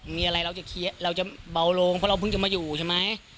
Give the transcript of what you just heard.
มีอะไรเราจะเคลียร์เราจะเบาลงเพราะเราเพิ่งจะมาอยู่ใช่ไหม